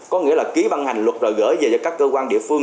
có nghĩa là ký văn hành luật rồi gửi về cho các cơ quan địa phương